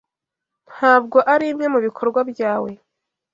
Ntabwo arimwe mubikorwa byawe.